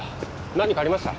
何かありました？